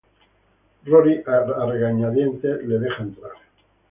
Rory a regañadientes la deja entrar.